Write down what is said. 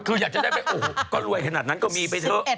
คืออยากจะได้ไปโอ้โหก็รวยขนาดนั้นก็มีไปเถอะ